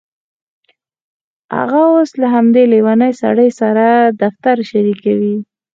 هغه اوس له همدې لیونۍ سړي سره دفتر شریکوي